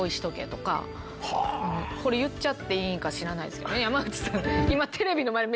これ言っちゃっていいんか知らないですけど。